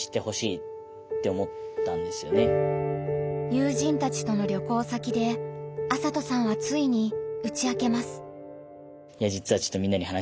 友人たちとの旅行先で麻斗さんはついに打ち明けます。